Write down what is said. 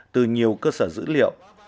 từ nhiều cơ sở dữ liệu